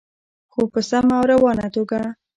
خو په سمه او روانه توګه.